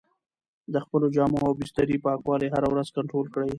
د خپلو جامو او بسترې پاکوالی هره ورځ کنټرول کړئ.